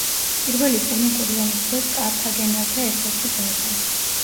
პირველი პუნიკური ომის დროს კართაგენელთა ერთ-ერთი ბაზა.